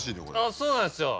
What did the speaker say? そうなんですよ